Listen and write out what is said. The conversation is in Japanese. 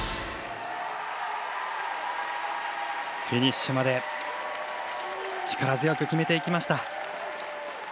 フィニッシュまで力強く決めていきました。